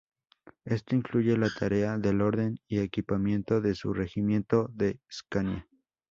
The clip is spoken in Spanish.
Esto incluyó la tarea del orden y equipamiento de su regimiento de Scania.